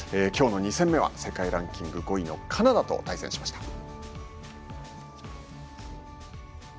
きょうの２戦目は世界ランキング５位のカナダと対戦しました。